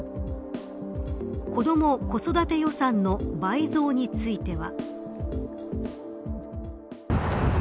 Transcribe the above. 子ども・子育て予算の倍増については。